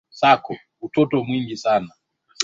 Maradon alimfunga kipa wa Uingrereza kwa kufunga